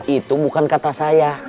itu bukan kata saya